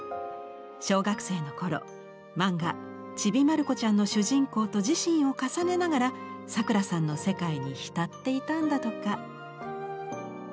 小学生の頃漫画「ちびまるこちゃん」の主人公と自身を重ねながらさくらさんの世界に浸っていたんだとか。